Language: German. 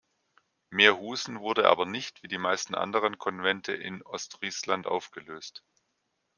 Meerhusen wurde aber nicht, wie die meisten anderen Konvente in Ostfriesland, aufgelöst.